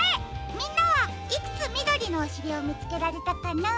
みんなはいくつみどりのおしりをみつけられたかな？